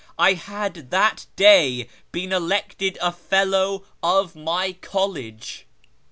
I had that day been elected a Fellow of my College.